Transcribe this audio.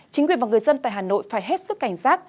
chính quyền và người dân tại hà nội phải hết sức cảnh giác